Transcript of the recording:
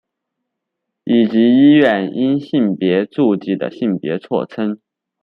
以及医院因性别注记的性别错称。